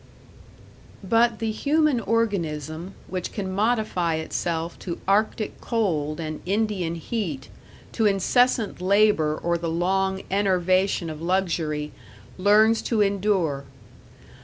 But the human organism, which can modify itself to arctic cold and Indian heat, to incessant labor or the long enervation of luxury, learns to endure.